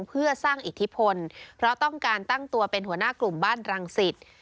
เพื่อสร้างอิทธิพลเพราะต้องการตั้งตัวเป็นหัวหน้ากลุ่มบ้านรังสิต